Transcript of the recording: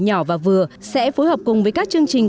nhỏ và vừa sẽ phối hợp cùng với các chương trình